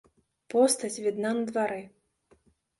Постаць відна на двары.